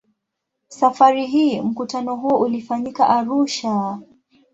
Safari hii mkutano huo ulifanyika Arusha.